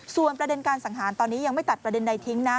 ส่วนประเด็นการสังหารตอนนี้ยังไม่ตัดประเด็นใดทิ้งนะ